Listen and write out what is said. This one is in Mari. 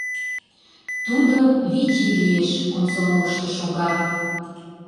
Тудо, вич ий лиеш, комсомолышто шога.